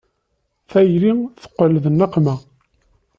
Tayri teqqel d nneqma.